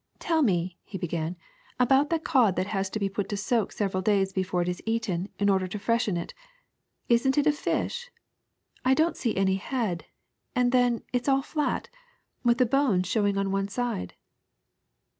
^' Tell me," he began, ^' about the cod that has to be put to soak several days before it is eaten, in order to freshen it — is n't it a fish? Yet I don't see any head ; and then it 's all flat, with the bones showing on one side."